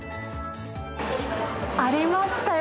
ありましたよ。